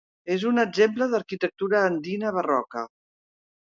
És un exemple d'arquitectura andina barroca.